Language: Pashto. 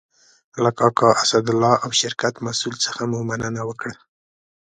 له کاکا اسدالله او شرکت مسئول څخه مو مننه وکړه.